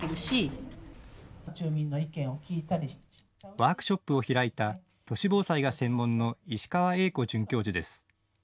ワークショップを開いた都市防災が専門の石川永子准教授です。